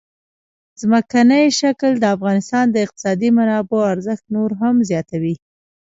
ځمکنی شکل د افغانستان د اقتصادي منابعو ارزښت نور هم زیاتوي.